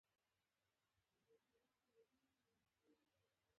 ایا زه باید له ډوډۍ مخکې اوبه وڅښم؟